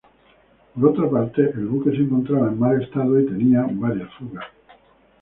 Por otra parte, el buque se encontraba en mal estado y tenía varias fugas.